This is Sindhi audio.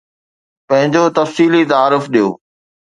پنهنجو تفصيلي تعارف ڏيو.